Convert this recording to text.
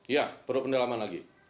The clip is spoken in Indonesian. ya perlu pendalaman lagi